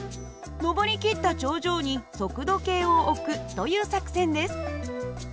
上り切った頂上に速度計を置くという作戦です。